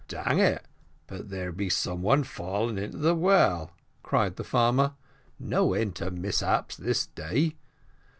"Dang it, but there be somebody fallen into the well," cried the farmer; "no end to mishaps this day.